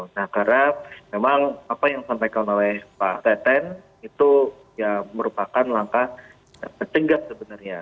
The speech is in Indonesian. nah karena memang apa yang disampaikan oleh pak teten itu ya merupakan langkah tegas sebenarnya